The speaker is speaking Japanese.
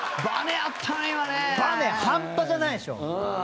バネ半端じゃないでしょ。